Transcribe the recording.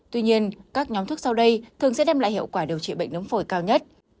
tuy nhiên các nhóm thuốc sau đây thường sẽ đem lại hiệu quả điều trị bệnh nống phổi cao nhất